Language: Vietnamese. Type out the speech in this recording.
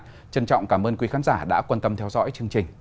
trân trọng cảm ơn quý khán giả đã quan tâm theo dõi chương trình